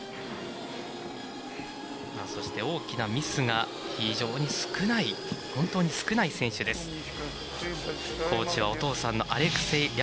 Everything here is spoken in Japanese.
そして、大きなミスが非常に少ない本当に少ない選手です。